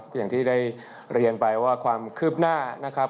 เวี้ยงไม่มีทางทีเขามีบ่อยครับ